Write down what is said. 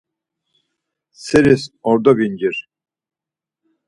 Seris ordo vincir.